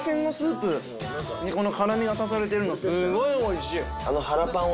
すごいおいしい！